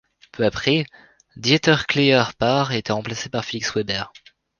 Peu après, Dieter Klier part et est remplacé par Felix Weber.